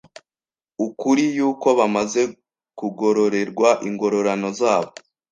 ukuri yuko bamaze kugororerwa ingororano zabo